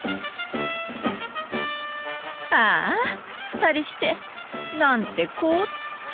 ああ２人してなんてこっチャ！